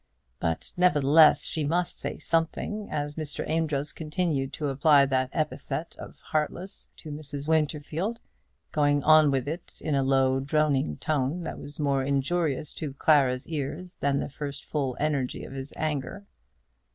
But nevertheless she must say something, as Mr. Amedroz continued to apply that epithet of heartless to Mrs. Winterfield, going on with it in a low droning tone, that was more injurious to Clara's ears than the first full energy of his anger.